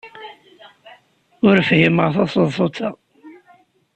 Ur fhimeɣ taseḍsut-a.